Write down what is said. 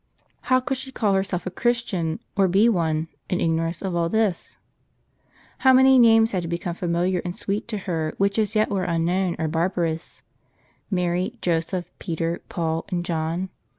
irrn How could she call herself a Christian, or be one, in ignorance of all this ? How many names had to become familiar and sweet to her which as yet were unknown, or barbarous — Mary, Joseph, Peter, Paul, and John